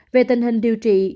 về tình hình điều trị